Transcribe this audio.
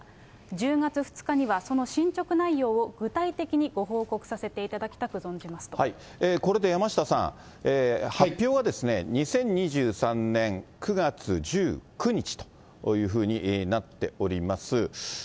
１０月２日にはその進捗内容を具体的にご報告させていただきたくこれで山下さん、発表は２０２３年９月１９日というふうになっております。